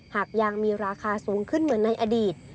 หากยางมีราคาสูงขึ้นเหมือนในอดีต